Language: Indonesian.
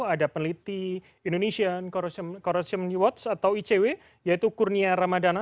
ada peneliti indonesian corruption watch atau icw yaitu kurnia ramadana